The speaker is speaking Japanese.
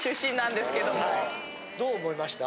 どう思いました？